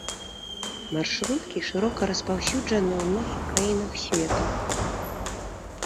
Маршруткі шырока распаўсюджаны ў многіх краінах свету.